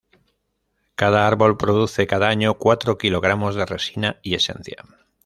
Cada árbol produce cada año cuatro kilogramos de resina y esencia.